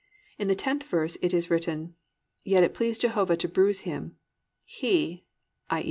In the 10th verse it is written, +"Yet it pleased Jehovah to bruise him; He+ (i.